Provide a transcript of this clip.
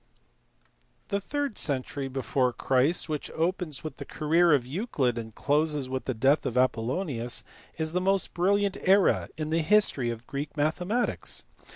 The third century before Christ, which opens with the career of Euclid and closes with the death of Apollonius, is the most brilliant era in the history of Greek mathematics.